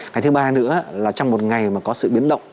cái thứ ba nữa là trong một ngày mà có sự biến động